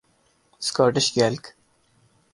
Scottish Gaelic